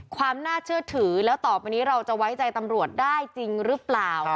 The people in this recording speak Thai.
ความน่าเชื่อถือแล้วต่อไปนี้เราจะไว้ใจตำรวจได้จริงหรือเปล่า